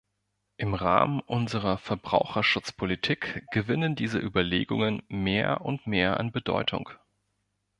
Im Rahmen unserer Verbraucherschutzpolitik gewinnen diese Überlegungen mehr und mehr an Bedeutung.